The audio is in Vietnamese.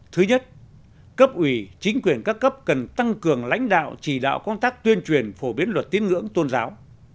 thứ nhất cấp ủy chính quyền các cấp cần tăng cường lãnh đạo chỉ đạo công tác tuyên truyền phổ biến luật tiếng ngưỡng tôn giáo